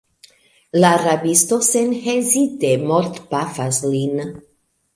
La rabisto senhezite mortpafas lin.